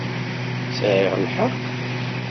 Sɛiɣ lḥeqq?